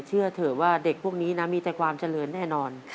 เชื่อเถอะว่าเด็กพวกนี้นะมีแต่ความเจริญแน่นอน